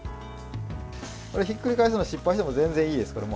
ひっくり返すのを失敗しても全然いいですから。